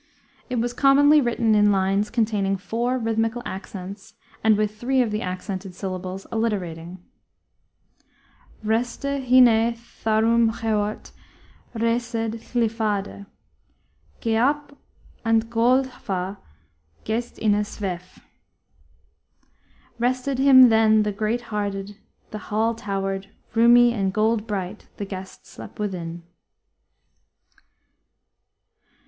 It was commonly written in lines containing four rhythmical accents and with three of the accented syllables alliterating. _R_este hine thâ _r_úm heort; _r_éced hlifade _G_eáp and _g_óld fâh, gäst inne swäf. Rested him then the great hearted; the hall towered Roomy and gold bright, the guest slept within.